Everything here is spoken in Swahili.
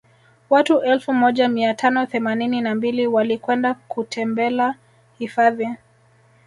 Watu elfu moja mia tano themanini na mbili walikwenda kutembela hifadhi